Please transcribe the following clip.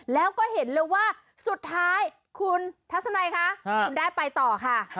แล้วก็เห็นเลยว่าสุดท้ายคุณทัศนัยคะคุณได้ไปต่อค่ะ